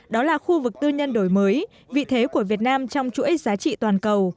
đó là khu vực tư nhân đổi mới vị thế của việt nam trong chuỗi giá trị toàn cầu